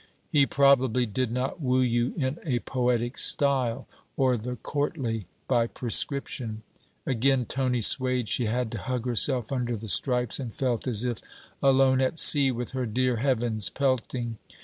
'He probably did not woo you in a poetic style, or the courtly by prescription.' Again Tony swayed; she had to hug herself under the stripes, and felt as if alone at sea, with her dear heavens pelting.